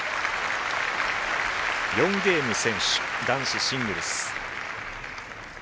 ４ゲーム先取男子シングルス。